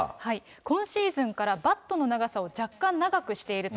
今シーズンからバットの長さを若干長くしていると。